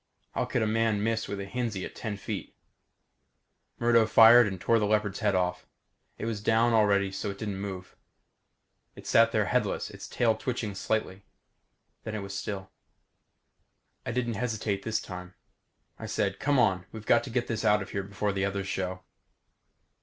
How could a man miss with a Hinzie at ten feet? Murdo fired and tore the leopard's head off. It was down already so it didn't move. It sat there headless, its tail twitching slightly. Then it was still. I didn't hesitate this time. I said, "Come on. We've got to get this out of here before the others show."